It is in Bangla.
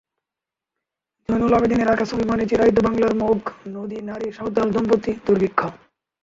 জয়নুল আবেদিনের আঁকা ছবি মানে চিরায়ত বাংলার মুখ, নদী, নারী, সাঁওতাল, দম্পতি, দুর্ভিক্ষ।